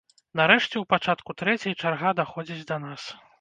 Нарэшце ў пачатку трэцяй чарга даходзіць да нас.